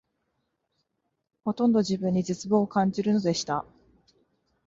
ほとんど自分に絶望を感じるのでした